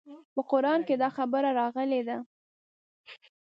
په قران کښې دا خبره راغلې ده.